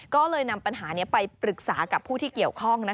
ก็เลยนำปัญหานี้ไปปรึกษากับผู้ที่เกี่ยวข้อง